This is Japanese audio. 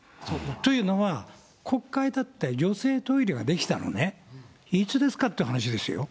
というのは、国会だって女性トイレが出来たのね、いつですかって話ですよ。